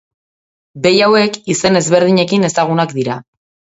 Behi hauek izen ezberdinekin ezagunak dira.